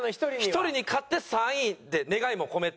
１人に勝って３位って願いも込めて。